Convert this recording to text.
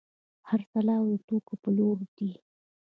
خرڅلاو د توکو پلورل دي.